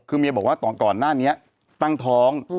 คือเมียบอกว่าก่อนหน้านี้ตั้งท้อง